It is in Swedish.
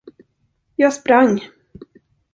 Jag sprang.